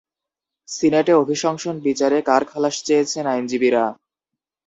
সিনেটে অভিশংসন বিচারে কার খালাস চেয়েছেন আইনজীবীরা?